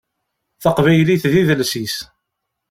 Taqbaylit d idles-is.